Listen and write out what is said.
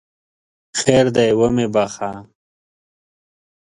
خیر دی ومې بخښه!